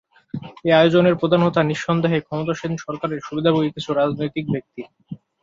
এ আয়োজনের প্রধান হোতা নিঃসন্দেহে ক্ষমতাসীন সরকারের সুবিধাভোগী কিছু রাজনৈতিক ব্যক্তি।